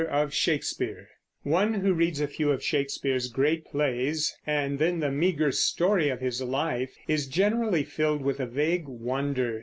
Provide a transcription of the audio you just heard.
IV. SHAKESPEARE One who reads a few of Shakespeare's great plays and then the meager story of his life is generally filled with a vague wonder.